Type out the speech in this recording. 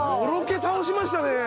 のろけ倒しましたね！